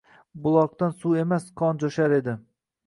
Buloqdan suv emas, qon jo’shar edi